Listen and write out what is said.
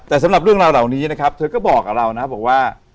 แต่สำหรับเรื่องราวเหล่านี้นะครับเธอก็บอกกับเรานะบอกว่า